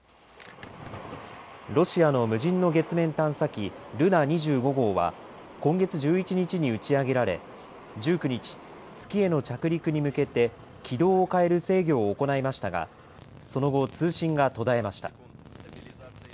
ロシアの無人の月面探査機ルナ２５号は今月１１日に打ち上げられ１９日、月への着陸に向けて軌道を変える制御を行いましたがその後、通信が途絶えました。